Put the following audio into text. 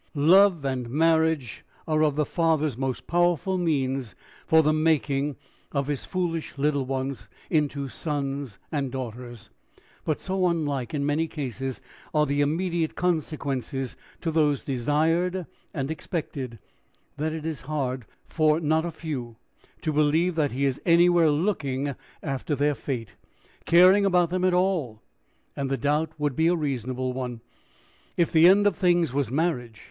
Love and marriage are of the Father's most powerful means for the making of his foolish little ones into sons and daughters. But so unlike in many cases are the immediate consequences to those desired and expected, that it is hard for not a few to believe that he is anywhere looking after their fate caring about them at all. And the doubt would be a reasonable one, if the end of things was marriage.